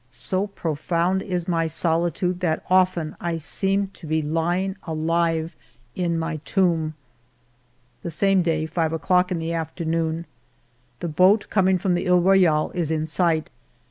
... So profound is my solitude that often I seem to be lying alive in my tomb. The same day, 5 o'clock in the afternoon. The boat coming from the He Royale is in sight.